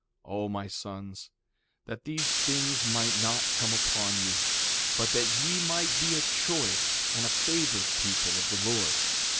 1:19 O my sons, that these things might not come upon you, but that ye might be a choice and a favored people of the Lord.